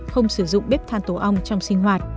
không sử dụng bếp than tổ ong trong sinh hoạt